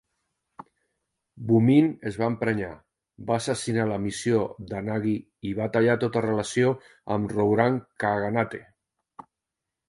Bumin es va emprenyar, va assassinar la missió d"Anagui i va tallar tota relació amb Rouran Khaganate.